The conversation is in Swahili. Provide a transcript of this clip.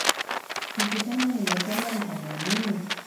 Nikisema nimependwa, mtaniamini?